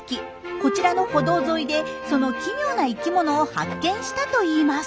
こちらの歩道沿いでその奇妙な生きものを発見したといいます。